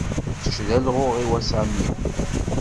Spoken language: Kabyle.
Kečč d alɣuɣ-iw, a Sami.